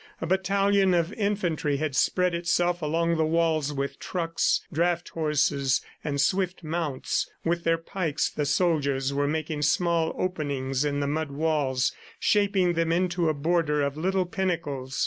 A battalion of infantry had spread itself along the walls with trucks, draught horses and swift mounts. With their pikes the soldiers were making small openings in the mud walls, shaping them into a border of little pinnacles.